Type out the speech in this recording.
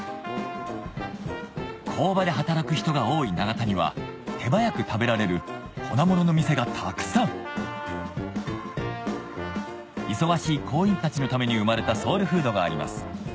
工場で働く人が多い長田には手早く食べられる粉ものの店がたくさん忙しい工員たちのために生まれたソウルフードがあります